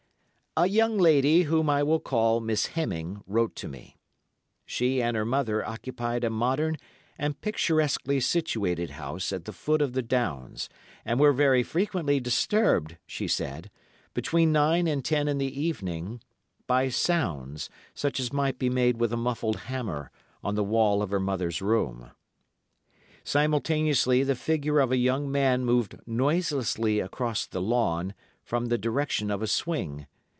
A young lady, whom I will call Miss Hemming, wrote to me. She and her mother occupied a modern and picturesquely situated house at the foot of the Downs, and were very frequently disturbed, she said, between nine and ten in the evening, by sounds, such as might be made with a muffled hammer, on the wall of her mother's room. Simultaneously the figure of a young man moved noiselessly across the lawn, from the direction of a swing.